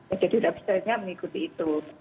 ya jadi udah bisa nya mengikuti itu